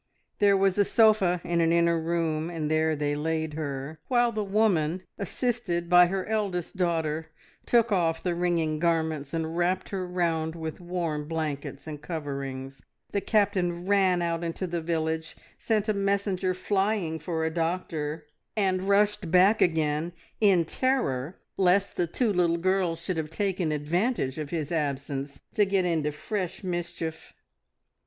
There was a sofa in an inner room, and there they laid her, while the woman, assisted by her eldest daughter, took off the wringing garments and wrapped her round with warm blankets and coverings. The Captain ran out into the village, sent a messenger flying for a doctor, and rushed back again in terror lest the two little girls should have taken advantage of his absence to get into fresh mischief.